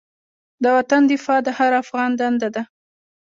د وطن دفاع د هر افغان دنده ده.